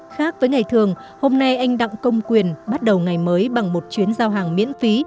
khác với ngày thường hôm nay anh đặng công quyền bắt đầu ngày mới bằng một chuyến giao hàng miễn phí